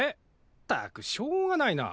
ったくしょうがないなあ。